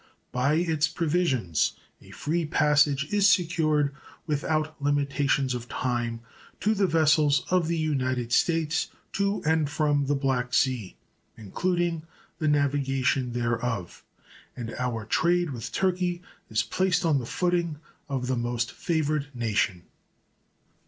By its provisions a free passage is secured, without limitations of time, to the vessels of the United States to and from the Black Sea, including the navigation thereof, and our trade with Turkey is placed on the footing of the most favored nation.